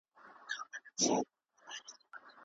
دلته پاتې کېدل زما لپاره ګران دي.